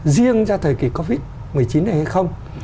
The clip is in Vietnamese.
riêng cho thời kỳ covid một mươi chín này hay không